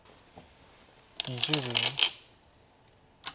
２０秒。